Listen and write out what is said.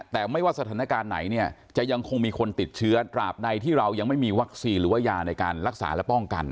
แต่ไม่ว่าสถานการณ์ไหนเนี่ยจะยังคงมีคนติดเชื้อตราบใดที่เรายังไม่มีวัคซีนหรือว่ายาในการรักษาและป้องกัน